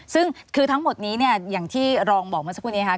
ซึ่งคือทั้งหมดนี้เนี่ยอย่างที่รองบอกเมื่อสักครู่นี้ค่ะ